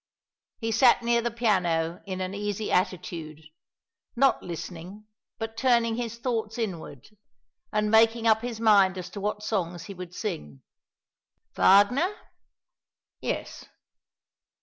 He sat near the piano in an easy attitude; not listening, but turning his thoughts inward, and making up his mind as to what songs he would sing. Wagner? Yes.